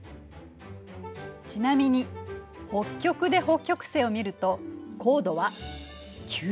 ちなみに北極で北極星を見ると高度は９０度。